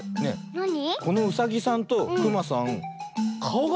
なに？